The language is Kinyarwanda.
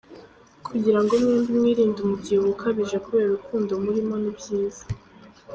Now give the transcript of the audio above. Kugirango mwembi mwirinde umubyibuho ukabije kubera urukundo murimo ni byiza:.